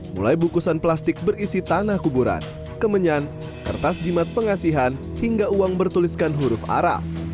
mulai bungkusan plastik berisi tanah kuburan kemenyan kertas jimat pengasihan hingga uang bertuliskan huruf arab